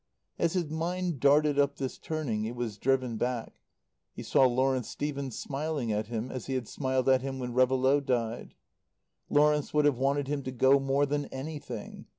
As his mind darted up this turning it was driven back. He saw Lawrence Stephen smiling at him as he had smiled at him when Réveillaud died. Lawrence would have wanted him to go more than anything.